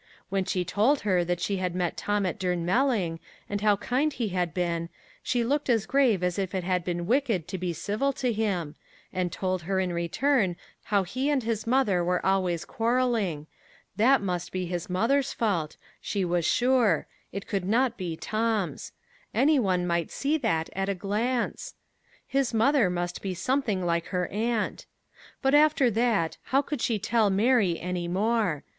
When she told her that she had met Tom at Durnmelling, and how kind he had been, she looked as grave as if it had been wicked to be civil to him; and told her in return how he and his mother were always quarreling: that must be his mother's fault, she was sure it could not be Tom's; any one might see that at a glance! His mother must be something like her aunt! But, after that, how could she tell Mary any more?